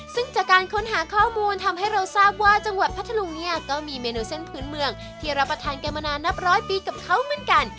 ซึ่งจากการค้นหาข้อมูลทำให้เราทราบว่าจังหวัดพัทธลุงเนี่ยก็มีเมนูเส้นพื้นเมืองที่รับประทานกันมานานนับร้อยปีกับเขาเหมือนกัน